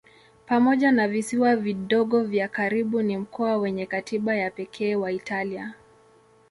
Pamoja na visiwa vidogo vya karibu ni mkoa wenye katiba ya pekee wa Italia.